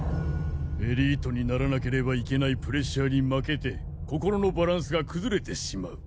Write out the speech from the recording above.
エリートにならなければいけないプレッシャーに負けて心のバランスが崩れてしまう。